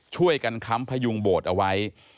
ช่วยกันค้ำพยุงโบสถ์เอาไว้